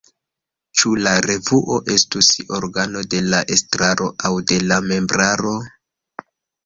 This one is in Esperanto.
Ĉu la revuo estu organo de la estraro aŭ de la membraro?